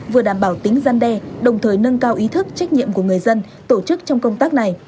vừa đảm bảo tính gian đe đồng thời nâng cao ý thức trách nhiệm của người dân tổ chức trong công tác này